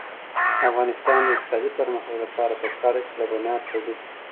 د افغانستان د اقتصادي پرمختګ لپاره پکار ده چې لبنیات تولید شي.